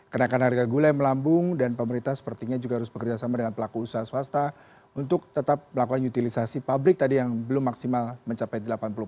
kenaikan harga gulai melambung dan pemerintah sepertinya juga harus bekerjasama dengan pelaku usaha swasta untuk tetap melakukan utilisasi pabrik tadi yang belum maksimal mencapai delapan puluh empat